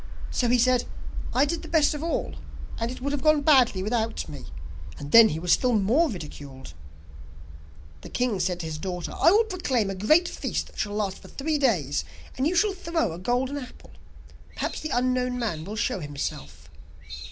So he said: "I did the best of all, and it would have gone badly without me." And then he was still more ridiculed.' The king said to his daughter: 'I will proclaim a great feast that shall last for three days, and you shall throw a golden apple. Perhaps the unknown man will show himself.